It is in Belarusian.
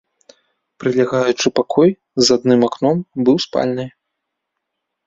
Прылягаючы пакой з адным акном быў спальняй.